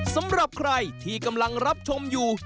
สำหรับใครที่กำลังรับชมอยู่